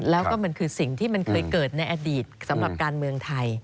แล้วก็มันคือสิ่งที่มันเคยเกิดในอดีตสำหรับการเมืองไทย